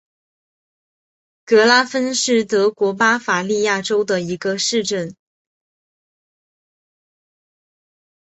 格拉芬是德国巴伐利亚州的一个市镇。